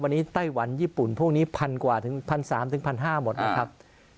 วันนี้ไต้หวันญี่ปุ่นพวกนี้พันกว่าถึง๑๓๐๐๑๕๐๐หมดนะครับ